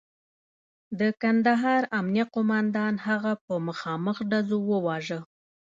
د کندهار امنیه قوماندان هغه په مخامخ ډزو وواژه.